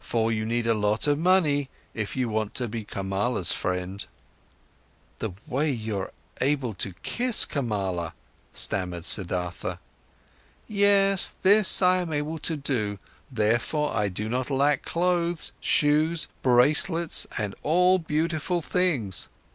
For you need a lot of money, if you want to be Kamala's friend." "The way you're able to kiss, Kamala!" stammered Siddhartha. "Yes, this I am able to do, therefore I do not lack clothes, shoes, bracelets, and all beautiful things.